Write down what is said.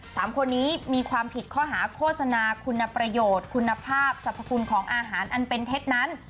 สามคนนี้มีความผิดข้อหาโฆษณาคุณประโยชน์คุณภาพสรรพคุณของอาหารอันเป็นเท็จนั้น